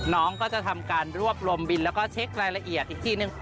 น้องก็จะทำการรวบรวมบินแล้วก็เช็ครายละเอียดอีกทีนึง